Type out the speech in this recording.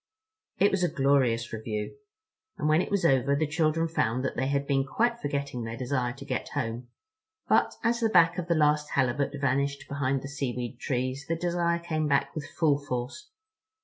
It was a glorious review, and when it was over the children found that they had been quite forgetting their desire to get home. But as the back of the last Halibut vanished behind the seaweed trees the desire came back with full force.